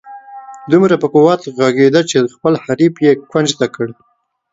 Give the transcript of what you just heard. دومره په قوت ږغېده چې خپل حریف یې کونج ته کړ.